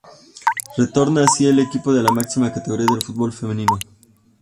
Retorna así el equipo a la máxima categoría del fútbol femenino.